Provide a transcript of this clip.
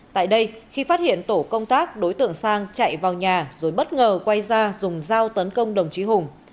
tại đây khi phát hiện tổ công tác đối tượng sang chạy vào nhà rồi bất ngờ quay ra dùng dao tấn công đồng chí hùng